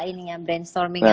ini ya brainstormingnya